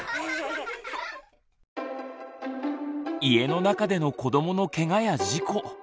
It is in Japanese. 家の中での子どものケガや事故。